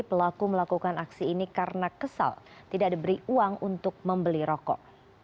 pelaku melakukan aksi ini karena kesal tidak diberi uang untuk membeli rokok